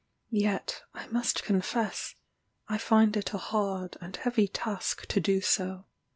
Yet, I must confess, I find it a hard and heavy task to do so.